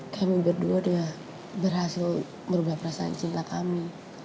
kami berdua udah berhasil berubah perasaan cinta kami